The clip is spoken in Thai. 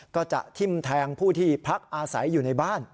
ก็จะทิ้มแทงผู้ที่พักอาศัยอยู่ในบ้าน